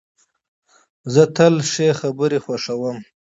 زه تل ښې خبري خوښوم.